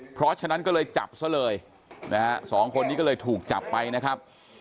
เพราะฉะนั้นก็เลยจับซะเลยนะฮะสองคนนี้ก็เลยถูกจับไปนะครับ